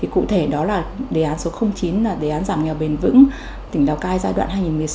cụ thể đó là đề án số chín là đề án giảm nghèo bền vững tỉnh lào cai giai đoạn hai nghìn một mươi một hai nghìn hai mươi